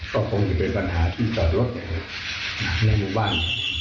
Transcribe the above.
ก็คงจะเป็นปัญหาที่จอดรถในหมู่บ้าน